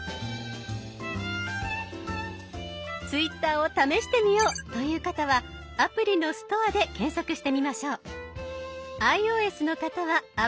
ツイッターを試してみようという方はアプリのストアで検索してみましょう。